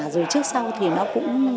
rồi trước sau thì nó cũng